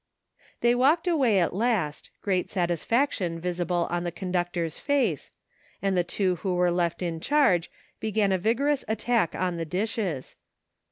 They walked away at last, great satisfaction visible on the conductor's face, and the two who were left in charge began a vigorous attack on the dishes.